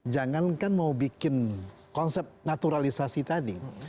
jangan kan mau bikin konsep naturalisasi tadi